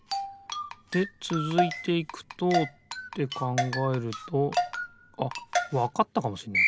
でつづいていくとってかんがえるとあっわかったかもしんない